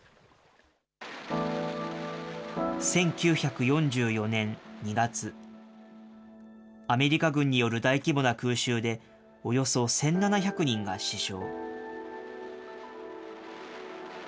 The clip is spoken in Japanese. １９４４年２月、アメリカ軍による大規模な空襲で、およそ１７００人が死傷。